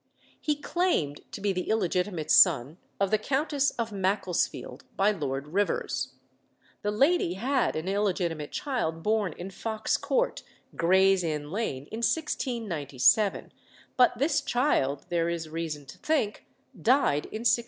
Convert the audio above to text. He claimed to be the illegitimate son of the Countess of Macclesfield by Lord Rivers. The lady had an illegitimate child born in Fox Court, Gray's Inn Lane in 1697; but this child, there is reason to think, died in 1698.